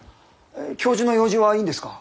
教授の用事はいいんですか？